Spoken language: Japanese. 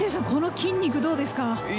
この筋肉どうですか。